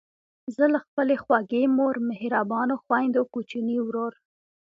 زه له خپلې خوږې مور، مهربانو خویندو، کوچني ورور،